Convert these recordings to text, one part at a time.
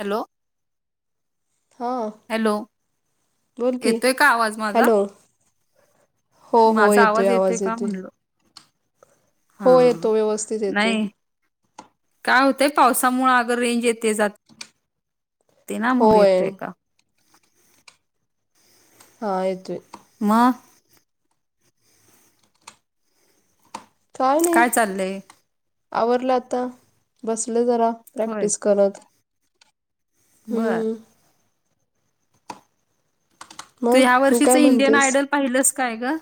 Hello [inaudible] हां hello बोल [inaudible] की येतोय का आवाज माझा? हॅलो [inaudible] [inaudible] माझा आवाज येतोय का म्हणल? हो हा. येतो व्यवस्थित येतोय नाही, काय होतय पावसामुळ अग रेंज येते जात [inaudible] ते ना म्हून होय येतोय का. हा येतोय. मग काय नाही. आवरलं आता, बसले जरा होय प्रॅक्टिस करत. बरं हम्म तू मग ह्या काय वर्षीचं इंडियन म्हणतेस आयडल पाहिलंस काय ग?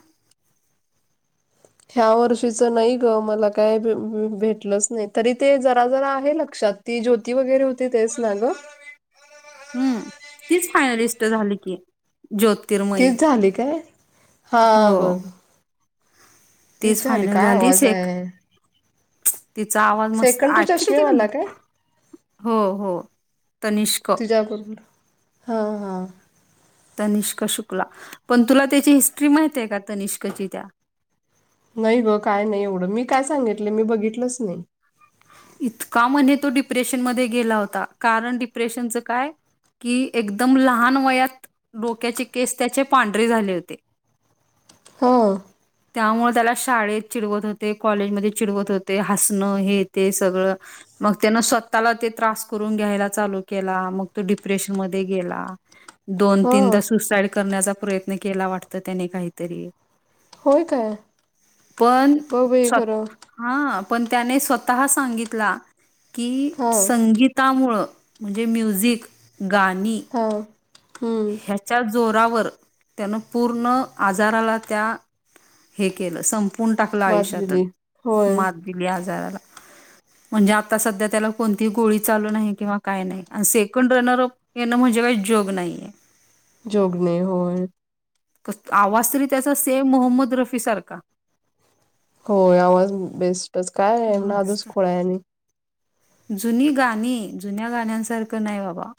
ह्या वर्षीच नाही ग. मला काय भेटलंच नाही. तरी ते जरा, जरा आहे लक्षात. ती ज्योती वगैरे होती तेच ना ग? हम्म. तीच फायनलिस्ट झाली की. ज्योतिरमय तीच झाली काय [inaudible] हो. हा बघ तीच झाली का? काय आवाज आहे? तिचा आवाज मस्त सेकंड तू ऍक्चुली तिला चष्मेवाला काय हो हो तनिष्क. [unintelligible] हो हा, तनिष्का शुक्ला पण तुला त्याची हिस्ट्री माहित आहे का तनिष्काची त्या? नाही ग काय नाही एवढं, मी काय सांगितलं मी बघितलंच नाही. इतका म्हणे तो डिप्रेशन मध्ये गेला होता. कारण डिप्रेशनचं काय कि एकदम लहान वयात डोक्याचे केस त्याचे पांढरे झाले होते. [inaudible] हो. त्यामुळे त्याला शाळेत चिडवत होते. कॉलेजमध्ये चिडवत होते. हसणं हे ते सगळं मग त्यान स्वतःला ते त्रास करून घ्यायला चालू केला. मग तो डिप्रेशन मध्ये गेला. दोन हां तीनदा सुसाइड करण्याचा प्रयत्न केला वाटतं त्याने काहीतरी होय काय पण बघ बाई स्वतः खरं हा पण त्याने स्वतःहा सांगितला की हां संगीत त्यामुळं म्हणजे म्युझिक, गाणी हो. हम्म, च्या जोरावर त्यान पूर्ण आजाराला त्या हे केलं संप फून टाकला मात आयुष्यातून, दिली होय मात दिली आजाराला. म्हणजे आता संध्या त्याला कोणतीही गोळी चालू नाही किंवा काय नाही. आणि सेकंड रनर अप येन म्हणजे काही जोग नाही. जोग नाही होय. आवाज तरी त्याचा सेम मोहम्मद रफी सारखा. होय आवाज बेस्टच, काय आहे नादच मस्त. खूळा आहे आणि. जुनी गाणी, जुन्या गाण्यांसारखं नाही बाबा.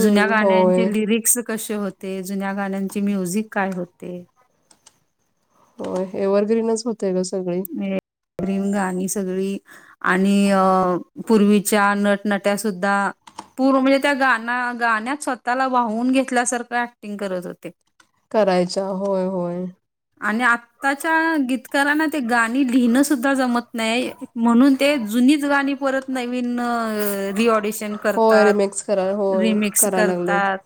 जुन्या गाण्याचे होय लिरिक्स कसे होते, जुन्या गाण्यांचे म्युझिक काय होते. होय एवरग्रीनच होतय ग सगळं. [unintelligible] रीग गाणी सगळी आणि, अ पूर्वीच्या नटनट्यासुद्धा पुर म्हणजे त्या गाणा गाण्यात स्वतःला वाहून घेतल्यासारखं ऍक्टिंग करत होते. करायच्या, होय होय. आणि आत्ताच्या गीतकारांना ते गाणी लिहिणं सुद्धा जमत नाही. म्हणून ते जुनीच गाणी परत नवीन रि ऑडिशन होय करतात, रिमेक्स करा होय रिमिक्स करायला लागलेत करतात.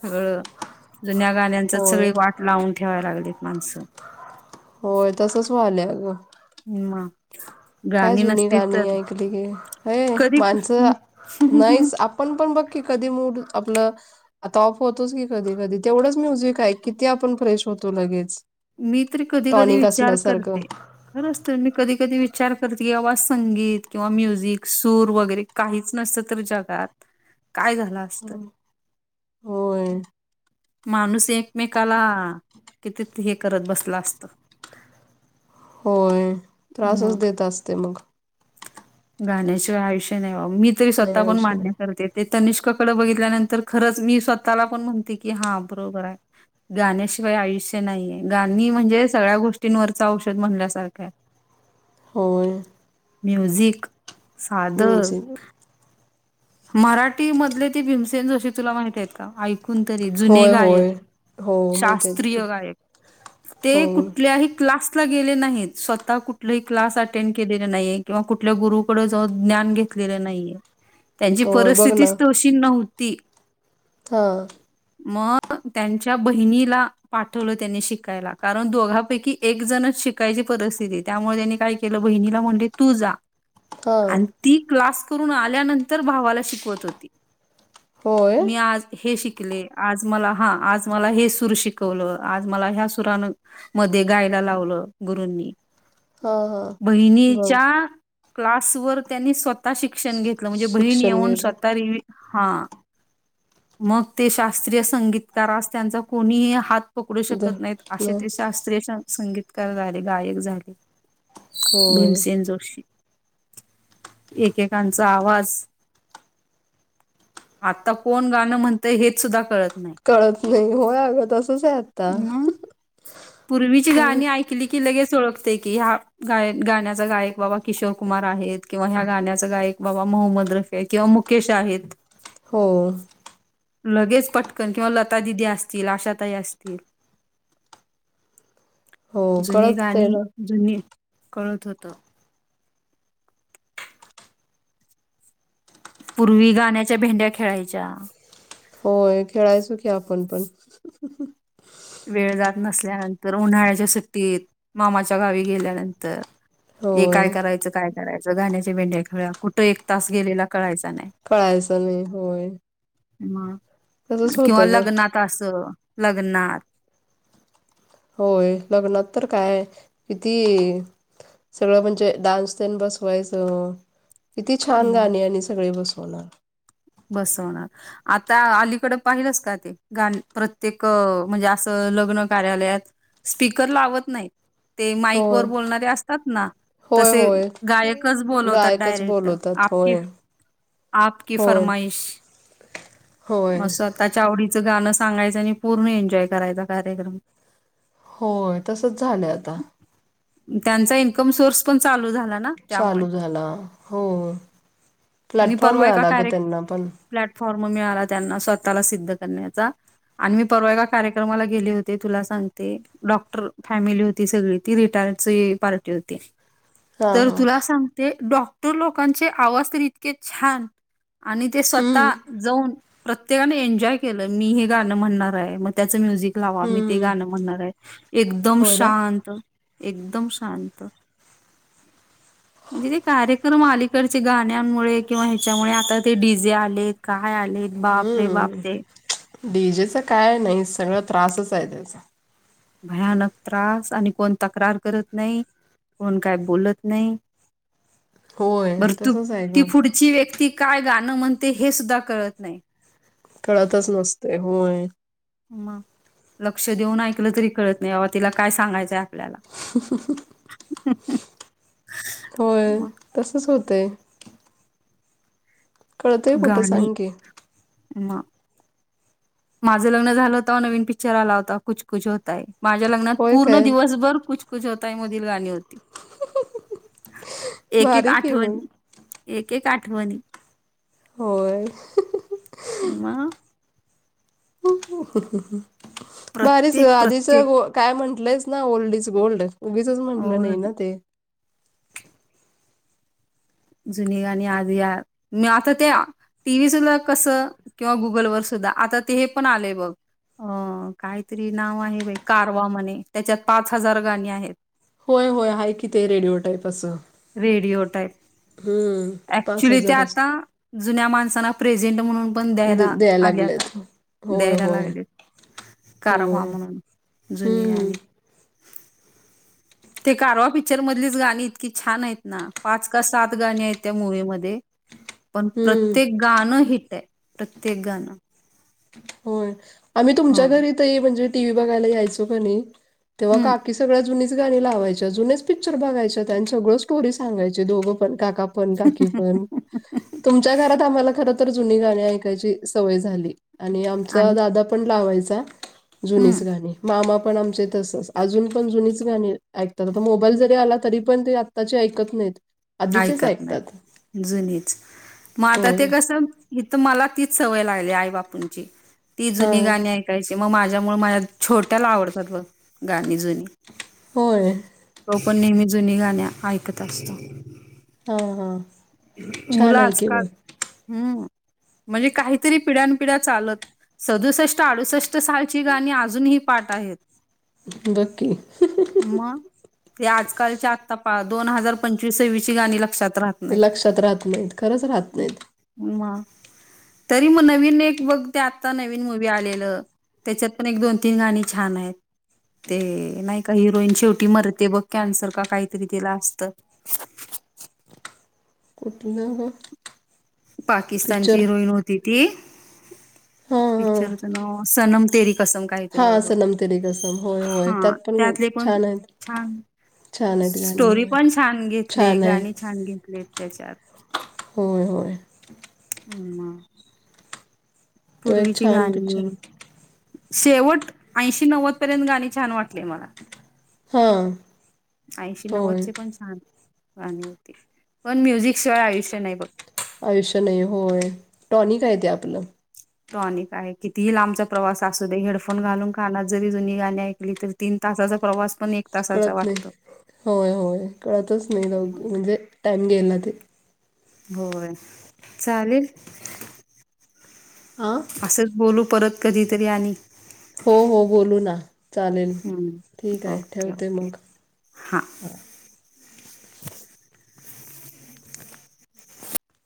सगळं, जुन्या गाण्यांच होय सगळी वाट लावून ठेवायला लागलीत माणसं. होय, तसंच व्हालंय अगं. उमा काय जुनी गाणी ऐकली की, अय कधी माणसं नाहीच आप आपण पण बघ की, कधी मूड आपलं आता ऑफ होतोच की कधी कधी तेवढंच म्युझिक ऐक, किती आपण फ्रेश होतो लगेच. मी तत्री कधी कधी टॉनिक विचार असल्यासारखं करते. खरं असतं. मी कधी कधी विचार करते. की बाबा संगीत किंवा म्युझिक, सूर वगैरे काहीच नसतं तर जगात, काय झाला हो. माणूस एकमेकाला किती हे करत बसला असता. होय, त्रासच मग देत असतं मग. गाण्याशिवाय आयुष्य नाही बाबा, मी तरी नाही स्वतःहून आयुष्य मान्य नाही करते. ते तनिष्काकडे बघितल्यानंतर खरंच मी स्वतःला पण म्हणते की हा बरोबर आहे. गाण्याशिवाय आयुष्य नाहीये, गाणी म्हणजे सगळ्या गोष्टींवरच औषध म्हणल्यासारखा आहे. हो. म्युझिक साधं. म्युझिक मराठीमधले ती भीमसेन जोशी तुला माहित आहेत का? ऐकून तरी जुने होय होय गायक, हो माहित आहेत की शास्त्रीय गायक. ते हो कुठल्याही क्लास ला गेले नाहीत, स्वतः कुठलही क्लास अटेंड केलेले नाही, किंवा कुठल्याही गुरुकडे जाऊ ज्ञान घ नाही, त्यांची होय बघ परिस्थिती ना च तशी नव्हती. हां. मग त्यांच्या बहिणीला पाठवलं त्यांनी शिकायला कारण दोघांपैकी एकजणच शिकायची परिस्थिती त्यामुळे त्यांनी काय केलं. बहिणीला म्हटले तू जा. हां आणि ती क्लास करून आल्यानंतर भावाला शिकवत होती. होय मी आज हे शिकले. आज मला हा आज मला हे सूर शिकवलं, आज मला ह्या सुरानं मध्ये गायला लावलं गुरूंनी, हां हां बघ बहिणीच्या क्लास वर त्यांनी स्वतः शिक्षण घेतलं, म्हणजे बहीण शिक्षण येऊन घेतलं स्वतः रि हा. मग ते शास्त्रीय संगीतकारास त्यांचा कोणीही हात पकडू शकत नाहीत, असे नाही ते शास्त्रीय संगीतकार झाले. गायक झाले. होय भीमसेन जोशी. एकेकांचा आवाज आता कोण गाणं म्हणतंय हेच सुद्धा कळत नाही. कळत नाही होय अगं तसच आहे आता पूर्वीची गाणी करत ऐक कि लगे ओळखते की हा गा गाण्याचा गायक बाबा किशोर कुमार आहेत. किंवा या गाण्याचा गायक बाबा मोहम्मद रफे आहे किंवा मुकेश आहेत. हो. लगेच पटकन किंवा लता दिदी असतील आशाताई असतील. हो जुनी कळत आहे गाणी ना जुनी कळत होत. पूर्वी गाण्याच्या भेंड्या खेळायच्या. होय. खेळायचो की आपण पण. वेळ जात नसल्यानंतर. उन्हाळ्याच्या सुट्टीत मामाच्या गावी गेल्यानंतर. ए काय होय करायचं? काय करायचं? गाण्याचे भेंढ्या खेळ्या कुठं एक तास गेलेला कळायचा नाही. कळायचं नाही होय. म तसच किंवा होतं ग लग्नात असं लग्ना होय. लग्नात तर काय? किती? सगळं म्हणजे डान्स तेन बसवायचो. किती छान मग गाणी आणि सगळे बसवणार. बसवणार. आता अलीकड पाहिलंस का ते गाण प्रत्येक म्हणजे असं लग्न कार्यालयात स्पीकर लावत नाहीत. ते माईक होय वर बोलणारे असतात ना. होय तसे होय गायकच बोलवतात गायकच डायरेक्ट. बोलवतात आपकी होय आपकी होय फरमाईश होय असत. त्याच्या आवडीचं गाणं सांगायचं आणि पूर्ण एन्जॉय करायचा कार्यक्रम. होय तसच झालंय आता. त्यांचा इनकम सोर्स पण चालू झाला ना त्यामुळे चालू झाला हो, मी प्लॅटफॉर्म परवा एका मिळाला ग कार्यक्रम त्यांना पण प्लॅटफॉर्म मिळाला त्यांना स्वतःला सिद्ध करण्याचा आणि मी परवा एका कार्यक्रमाला‌ गेली होती तुला सांगते डॉक्टर फॅमिली होती सगळी ती रिटायर्डची पार्टी होती हां, तर हां. तुला सांगते, डॉक्टर लोकांचे आवाज तर इतके छान आणि ते हं, स्वतः जाऊन प्रत्येकाने एन्जॉय केलं, मी ‌हे गाणं म्हणणार आहे मग त्याचं म्युझिक लावा मी ते हं. गाणं म्हणणार आहे, एकदम होय ना? शांत, एकदम शांत म्हणजे ते कार्यक्रम अलीकडचे गाण्यांमुळे किंवा ह्याच्यामुळे आता ते डीजे आले काय आले बाप रे बाप ते डीजेच काय नाही सगळ त्रासच आहे त्याचा. भयानक त्रास आणि कोण तक्रार करत नाही. कोण काय बोलत नाही. होय, बर तू तसंच आहे ती गं. पुढची व्यक्ती काय गाणं म्हणते हे सुद्धा कळत नाही कळतच नसते होय. मग लक्ष देऊन ऐकलं तरी कळत नाही बाबा तिला काय सांगायचंय आपल्याला [inaudible] [inaudible] होय मग तसंच होतय. कळतंय कुठं गाणी सांग की? मा माझं लग्न झालं होत नवीन पिक्चर आला होता कुछ कुछ होता है, माझ्या लग्नात होय पूर्ण काय? दिवसभर कुछ कुछ होता है, मधील गाणी होती एक एक भारी की आठवण मग. एक एक आठवण होय. मग बारीच ग प्रत्येक, आधीच प्रत्येक घोळ काय म्हटलंयच ना ओल्ड इज गोल्ड उगीचच म्हटलं नाही ओल्ड, ना ते जुनी गाणी आलिया मी आता ते टीव्ही सुद्धा कस किंवा गुगलवर सुद्धा आता ते हे पण आलेय बघ अह काहीतरी नाव आहे बाई, कारवा म्हणे त्याच्यात पाच हजार गाणी आहेत. होय होय आहे की ते रेडिओ टाईप असं. हम्म. पाच अऍक्च्युली ते हजार असत आता जुन्या माणसना प्रेझेंट म्हणून पण द्यायला द- आले आता, लागलेत होय द्यायला होय लागलेत होय कारवा म्हणून, जुनी हम्म गाणी ते कारवा पिक्चर मधलीच गाणी इतकी छान आहेत ना, पाच का सात गाणी आहेत त्या मुव्ही मध्ये. पण हम्म प्रत्येक गाणं हिट आहे प्रत्येक गाणं होय आम्ही तुमच्या होय. घरी ते म्हणजे टी व्ही बघायला यायचो का नाही तेव्हा हम्म. काका की सगळ्या जुनीच गाणी लावायच्या जुनेच पिक्चर बघायच्या आणि सगळं स्टोरी सांगायची दोघं पण काका पण काकी पण. तुमच्या घरात आम्हाला खर तर जुनी गाणी ऐकायची सवय झाली आणि आमचा आणि दादा पण लावायचा जुनीच हम्म गाणी मामा पण आमचे तसंच अजून पण जुनीच गाणी ऐकतात आता मोबाईल जरी आला तरी पण ते आ ता ची ऐकत नाहीत आधीचेच ऐकत ऐकतात नाही जुनीच, मग आता ते होय कसं हीथ मला तीच सवय लागली आई बापूंची ती जुनी हां गाणी ऐकायची ते मग माझ्यामुळे माझ्या छोट्याला आवडतात व गाणी जुनी. होय. तो पण नेहमी जुनी गाणी ऐकत असतो. हा हा. मुलं आजकाल हम्म म्हणजे काहीतरी पिढ्यानपिढ्या चालत सदुसष्ट अडुसष्ट सालची गाणी अजूनही पाठ आहेत. बघ की मग. ते आजकालच्या आत्ता पा दोन हजार पंचवीस सव्वीसची गाणी लक्षात राहत ते नाहीत. लक्षात राहत नाहीत खरंच राहत नाहीत. म तरी मग नवीन एक बघ ते आत्ता नवीन मुवी आलेलं त्याच्यात पण एक दोन तीन गाणी छान आहेत‌. ते नाही का हिरोईन शेवटी मरते बघ कॅन्सर का काहीतरी तीला असतं. कुठलं ग? पाकिस्तानची पिक्चर हिरोईन होती. हां हां पिक्चरच नाव सनम तेरी कसम काय हाय हां बघ सनम तेरी कसम होय होय हा त्यात त्यातले पण छान आहेत छान छान आहेत गाणी स्टोरी होय पण छान घेतले आहे गाणी छान घेतले आहे त्याच्यात. होय होय. हा तो एक पूर्वीची छान गाणी पिक्चर शेवट ऐंशी, नव्वद पर्यंत गाणी छान वाटले मला. हा. ऐंशी, नव्वद पण छान गाणी होती पण म्युझिकशिवाय आयुष्य नाही बघत. आयुष्य नाही होय टॉनीक हाय ते आपलं. टॉनिक आहे कितीही लांबचा प्रवास असू दे हेडफोन घालून कामात जरी जुनी गाणी ऐकली तरी तीन तासाचा प्रवास पण एक तासाचा कळत नाही वाटतो होय, होय कळतच नाही म्हणजे टाइम गेला ते. होय चालेल हां. असं बोलू परत कधीतरी आणि. हो हो बोलू ना चालेल हम्म. ठीक आहे ओके ठेवते ओके मग. हा